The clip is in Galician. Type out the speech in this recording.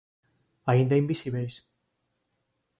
Aínda invisíbeis?